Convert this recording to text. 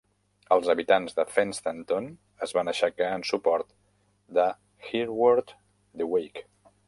Els habitants de Fenstanton es van aixecar en suport de Hereward the Wake.